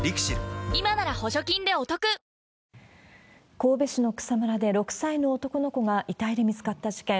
今なら補助金でお得神戸市の草むらで、６歳の男の子が遺体で見つかった事件。